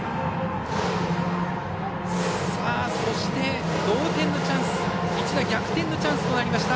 そして、同点のチャンス一打逆転のチャンスとなりました